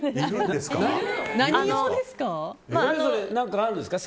何用ですか？